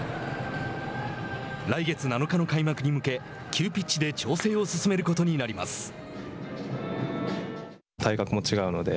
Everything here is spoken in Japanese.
来月７日の開幕に向け急ピッチで調整を進めることになります。